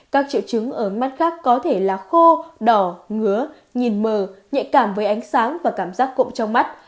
các triệu chứng ở mắt khác có thể là khô đỏ ngứa nhìn mờ nhạy cảm với ánh sáng và cảm giác cụm trong mắt